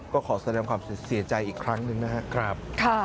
ก็ขอแสดงความเสียใจอีกครั้งหนึ่งนะครับ